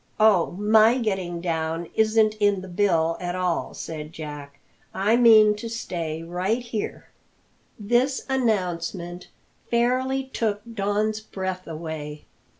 "Oh, my getting down isn't in the bill at all," said Jack; "I mean to stay right here." This announcement fairly took Don's breath away.